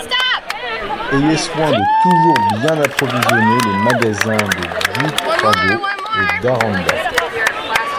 Ayez soin de tenir toujours bien approvisionnés les magasins de Buitrago et d'Aranda.